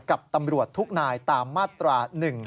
กับตำรวจทุกนายตามมาตรา๑๔